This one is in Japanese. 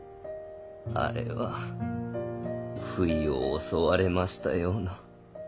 あれは不意を襲われましたような。